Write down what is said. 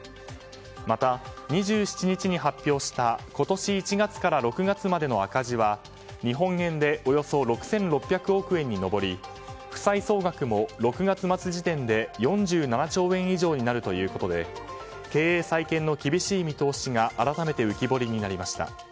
また、２７日に発表した今年１月から６月までの赤字は日本円でおよそ６６００億円に上り負債総額も６月末時点で４７兆円以上になるということで経営再建の厳しい見通しが改めて浮き彫りになりました。